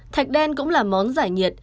thạch đen cũng là món giải nhiệt